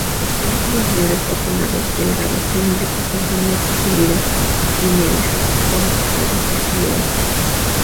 Los folículos libres o connados, delgados, cilíndricos con semillas comprimidas lineales; comas caducifolios.